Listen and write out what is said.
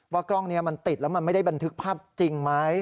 กล้องนี้มันติดแล้วมันไม่ได้บันทึกภาพจริงไหม